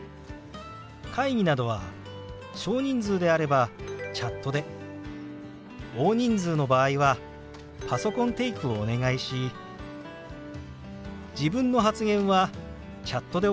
会議などは小人数であればチャットで大人数の場合はパソコンテイクをお願いし自分の発言はチャットで行っています。